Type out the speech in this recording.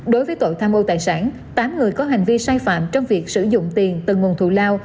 đối với tội tham ô tài sản tám người có hành vi sai phạm trong việc sử dụng tiền từng nguồn thủ lao